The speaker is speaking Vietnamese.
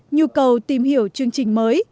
nhu cầu tìm hiểu chương trình mới